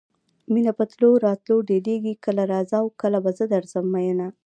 مینه په تلو راتلو ډېرېږي کله راځه او کله به زه درځم میینه.